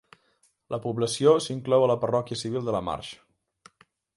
La població s'inclou a la parròquia civil de Lamarsh.